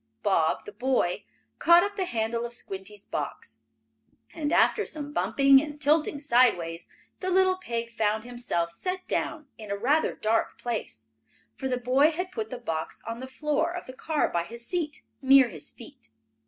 Bob, the boy, caught up the handle of Squinty's box, and, after some bumping and tilting sideways, the little pig found himself set down in a rather dark place, for the boy had put the box on the floor of the car by his seat, near his feet.